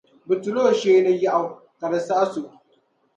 Bɛ tula o shee ni yɛɣu ka di saɣis’ o.